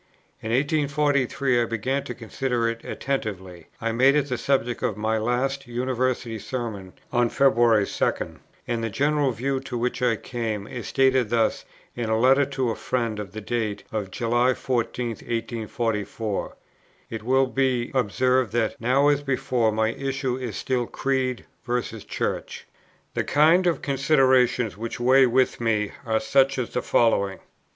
In 1843 I began to consider it attentively; I made it the subject of my last University Sermon on February 2; and the general view to which I came is stated thus in a letter to a friend of the date of July 14, 1844; it will be observed that, now as before, my issue is still Creed versus Church: "The kind of considerations which weighs with me are such as the following: 1.